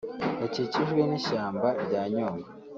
gakikijwe n’ishyamba rya Nyungwe